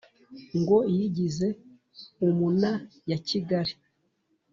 ngo yigize umunayakigali